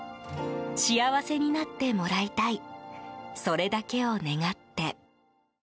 幸せになってもらいたいそれだけを願って。